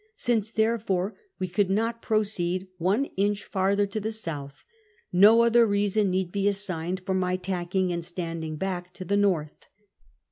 Since, therefore, we could not proceed one inch farther to the south, no other reason need be assigned for my tacking and standing back to the north.